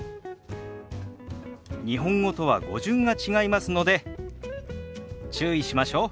日本語とは語順が違いますので注意しましょう。